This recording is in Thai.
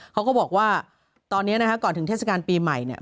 เขาก็บอกว่าตอนนี้นะคะก่อนถึงเทศกาลปีใหม่เนี่ย